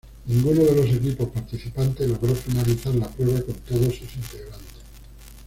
Ninguno de los equipos participantes logró finalizar la prueba con todos sus integrantes.